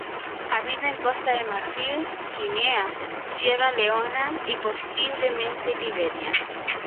Habita en Costa de Marfil, Guinea, Sierra Leona y posiblemente Liberia.